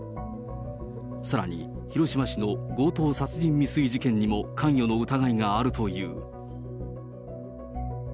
さらに、広島市の強盗殺人未遂事件にも関与の疑いがあるという。